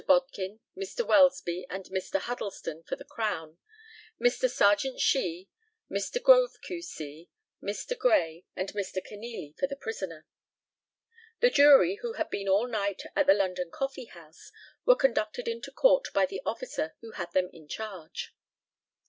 Bodkin, Mr. Welsby, and Mr. Huddleston, for the Crown; and Mr. Serjeant Shee, Mr. Grove, Q.C., Mr. Gray, and Mr. Kenealy, for the prisoner. The Jury, who had been all night at the London Coffee house, were conducted into court by the officer who had them in charge.